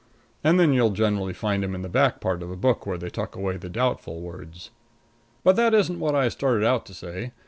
And then you'll generally find him in the back part of the book where they tuck away the doubtful words. But that isn't what I started out to say.